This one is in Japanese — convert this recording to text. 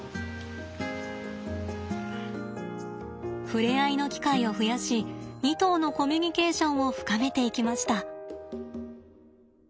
触れ合いの機会を増やし２頭のコミュニケーションを深めていきました。